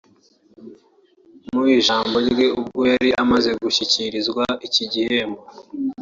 Mu ijambo rye ubwo yari amaze gushyikirizwa iki gihembo